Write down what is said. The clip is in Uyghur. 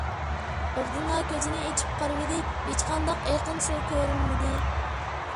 بىردىنلا كۆزىنى ئېچىپ قارىۋىدى، ھېچقانداق ئېقىن سۇ كۆرۈنمىدى.